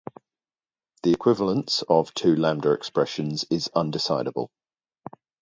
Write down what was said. The equivalence of two lambda expressions is undecidable.